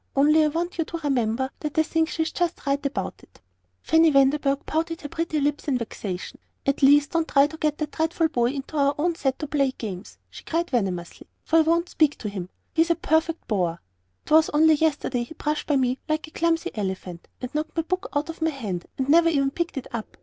Only I want you to remember that I think she is just right about it." Fanny Vanderburgh pouted her pretty lips in vexation. "At least, don't try to get that dreadful boy into our own set to play games," she cried venomously, "for I won't speak to him. He's a perfect boor. 'Twas only yesterday he brushed by me like a clumsy elephant, and knocked my book out of my hand, and never even picked it up.